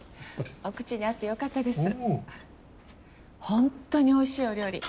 ホントにおいしいお料理。